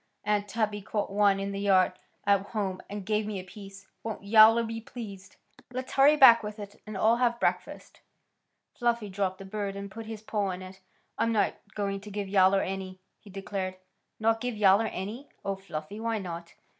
Aunt Tabby caught one in the yard at home and gave me a piece. Won't Yowler be pleased? Come on! Let's hurry back with it and all have breakfast." Fluffy dropped the bird and put his paw on it. "I'm not going to give Yowler any," he declared. "Not give Yowler any! Oh, Fluffy! Why not?"